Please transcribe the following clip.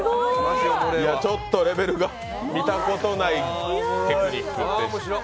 ちょっとレベルが、見たことないテクニックでした。